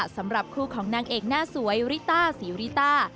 สำหรับคู่ของนางเอกหน้าสวยริต้าศรีริต้า